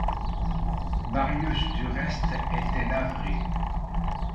Marius du reste était navré.